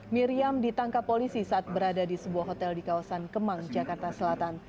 miriam ditangkap polisi saat berada di sebuah hotel di kawasan kemang jakarta selatan